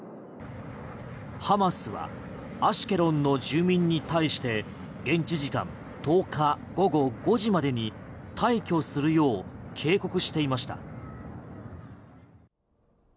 ハマスはアシュケロンの住民に対して現地時間１０日午後５時までに退去するよう警告していました。